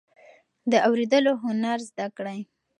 د اوریدلو هنر زده کړئ.